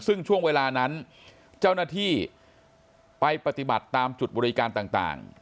ซึ่งช่วงเวลานั้นเจ้าหน้าที่ไปปฏิบัติตามจุดบริการต่าง